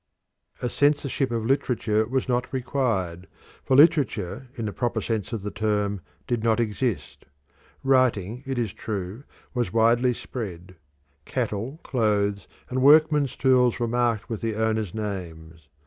A censorship of literature was not required, for literature in the proper sense of the term did not exist. Writing, it is true, was widely spread. Cattle, clothes, and workmen's tools were marked with the owners' names.